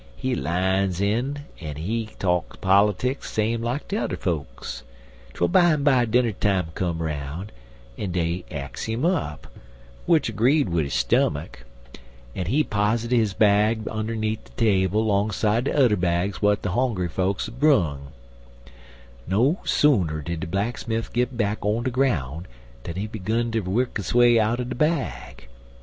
He lines in en he talk politics same like t'er fokes, twel bimeby dinnertime come 'roun', en dey ax 'im up, w'ich 'greed wid his stummuck, en he pozzit his bag underneed de table 'longside de udder bags w'at de hongry fokes'd brung. "No sooner did de blacksmif git back on de groun' dan he 'gun ter wuk his way outer de bag.